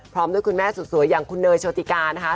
ด้วยคุณแม่สุดสวยอย่างคุณเนยโชติกานะคะ